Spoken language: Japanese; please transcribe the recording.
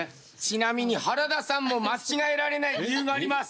ちなみに原田さんも間違えられない理由があります。